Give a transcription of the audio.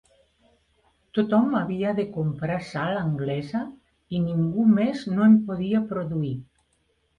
Tothom havia de comprar sal anglesa i ningú més no en podia produir.